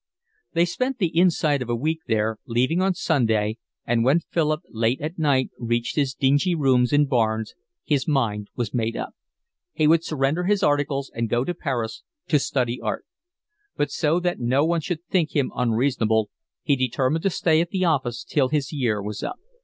They spent the inside of a week there, leaving on Sunday, and when Philip late at night reached his dingy rooms in Barnes his mind was made up; he would surrender his articles, and go to Paris to study art; but so that no one should think him unreasonable he determined to stay at the office till his year was up.